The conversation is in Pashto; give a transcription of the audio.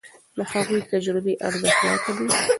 د هغوی تجربې ارزښتناکه دي.